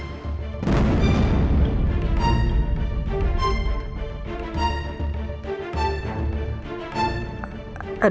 yang sudah berpikir pikir